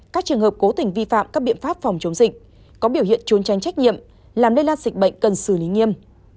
các trường hợp cố tình vi phạm các biện pháp phòng chống dịch có biểu hiện trốn tranh trách nhiệm làm lây lan dịch bệnh cần xử lý nghiêm